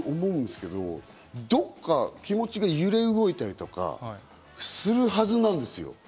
どこか気持ちが揺れ動いたりとかするはずなんですよ。